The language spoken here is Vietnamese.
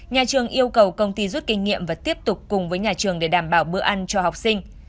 nhà trường yêu cầu công ty rút kinh nghiệm và tiếp tục cùng với nhà trường để đảm bảo bữa ăn cho học sinh